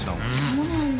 そうなんだ。